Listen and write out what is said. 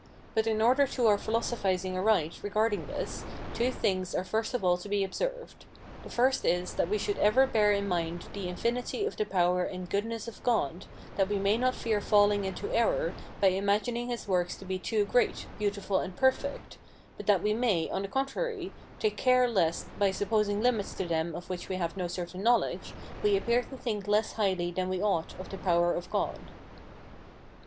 But in order to our philosophizing aright regarding this, two things are first of all to be observed. The first is, that we should ever bear in mind the infinity of the power and goodness of God, that we may not fear falling into error by imagining his works to be too great, beautiful, and perfect, but that we may, on the contrary, take care lest, by supposing limits to them of which we have no certain knowledge, we appear to think less highly than we ought of the power of God.